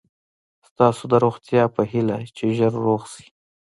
ستاسو د روغتیا په هیله چې ژر روغ شئ.